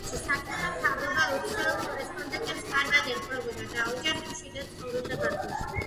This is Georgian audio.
ამ პერიოდში, საბჭოთა მთავრობა უცხოელ კორესპონდენტებს კარგად ეპყრობოდა და ოჯახი მშვიდად ცხოვრობდა ბაქოში.